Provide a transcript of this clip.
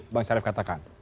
bang syari katakan